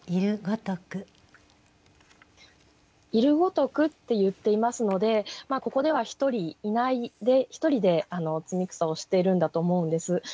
「ゐるごとく」って言っていますのでここでは１人いないで１人で摘草をしてるんだと思うんです。